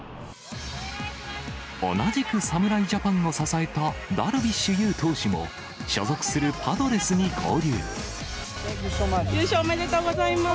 同じく侍ジャパンを支えたダルビッシュ有投手も、優勝おめでとうございます。